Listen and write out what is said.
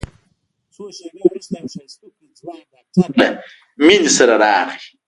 څو شېبې وروسته يو ښايستوکى ځوان ډاکتر له مينې سره راغى.